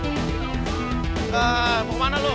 mau kemana lu